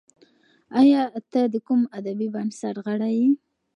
ایا ته د کوم ادبي بنسټ غړی یې؟